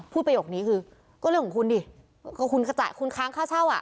ประโยคนี้คือก็เรื่องของคุณดิก็คุณก็จ่ายคุณค้างค่าเช่าอ่ะ